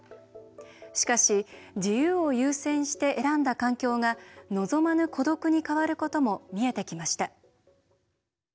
しかし自由を優先して選んだ環境が望まぬ孤独に変わることも見えてきました。